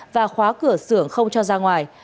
và khóa cửa sưởng không cho ra ngoài